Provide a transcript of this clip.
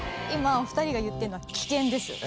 今２人が言ってるのは危険です。